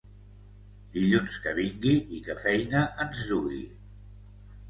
Dilluns que vingui i que feina ens dugui.